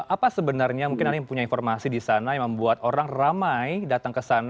apa sebenarnya mungkin ada yang punya informasi di sana yang membuat orang ramai datang ke sana